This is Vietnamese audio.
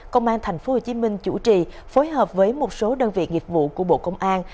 công an tp hcm chủ trì phối hợp với một số đơn vị nghiệp vụ của bộ công an